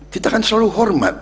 kita kan selalu hormat